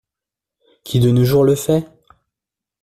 Qui de nos jours le fait?